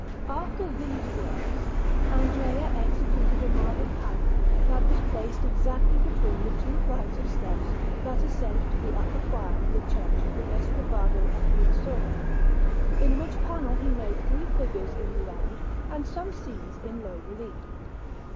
After these works, Andrea executed a marble panel that was placed exactly between the two flights of steps that ascend to the upper choir in the Church of the Vescovado at Fiesole; in which panel he made three figures in the round and some scenes in low relief.